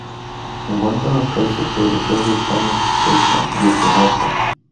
Se encuentra en los paises europeos de España, Chequia y Eslovaquia.